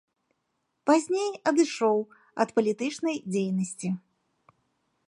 Пазней адышоў ад палітычнай дзейнасці.